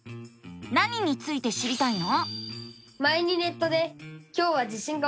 何について知りたいの？